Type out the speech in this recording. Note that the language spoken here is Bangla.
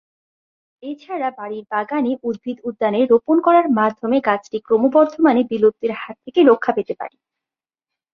এছাড়া বাড়ির বাগানে, উদ্ভিদ উদ্যানে রোপণ করার মাধ্যমে গাছটি ক্রমবর্ধমান বিলুপ্তির হাত থেকে রক্ষা পেতে পারে।